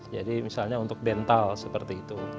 jadi misalnya untuk dental seperti itu